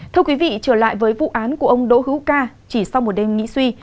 thưa quý vị trở lại với vụ án của ông đỗ hữu ca chỉ sau một đêm nghĩ suy